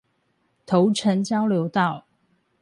頭城交流道